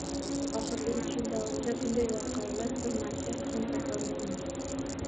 Oxirgi uch yil davomida bunday voqea bir marotaba ham takrorlanmagan.